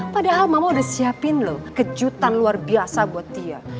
padahal mama udah siapin loh kejutan luar biasa buat dia